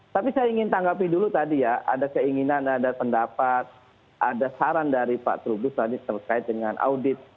tapi saya ingin tanggapi dulu tadi ya ada keinginan ada pendapat ada saran dari pak trubus tadi terkait dengan audit